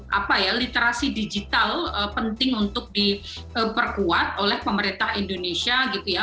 karena setiap literasi digital penting untuk diperkuat oleh pemerintah indonesia gitu ya